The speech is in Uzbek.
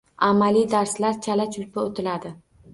Amaliy darslar chala-chulpa o‘tiladi.